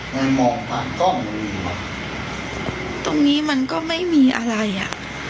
มันมองไปตรงนี้มันก็ไม่มีอะไรอ่ะ